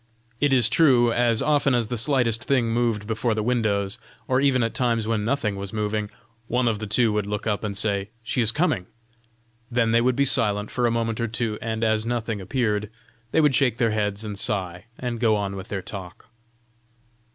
It is true, as often as the slightest thing moved before the windows, or even at times when nothing was moving, one of the two would look up and say: "She is coming!" Then they would be silent for a moment or two, and as nothing appeared, they would shake their heads and sigh and go on with their talk.